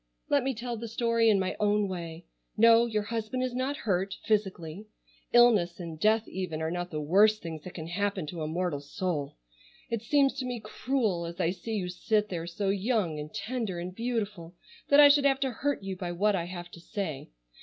Let me tell the story in my own way. No, your husband is not hurt, physically. Illness, and death even, are not the worst things that can happen to a mortal soul. It seems to me cruel, as I see you sit there so young and tender and beautiful, that I should have to hurt you by what I have to say.